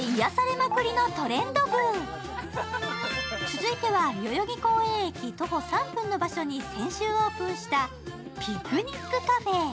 続いては代々木公園駅徒歩３分の場所に先週オープンしたｐｉｇｎｉｃｃａｆｅ。